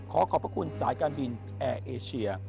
ขอขอบพระคุณสายการบินแอร์เอเชีย